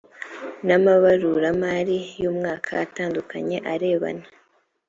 n amabaruramari y umwaka atandukanye arebana